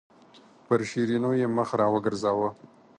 پر شیرینو یې مخ راوګرځاوه.